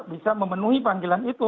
bisa memenuhi panggilan itu